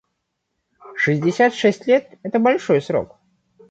Шестьдесят шесть лет − это большой срок.